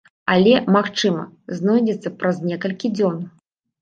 Але, магчыма, знойдзецца праз некалькі дзён.